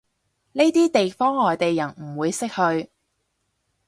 呢啲地方外地人唔會識去